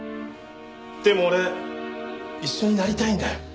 でも俺一緒になりたいんだよ。